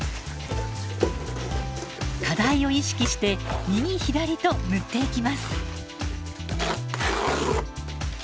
課題を意識して右左と塗っていきます。